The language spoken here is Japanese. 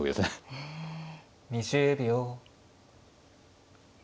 ２０秒。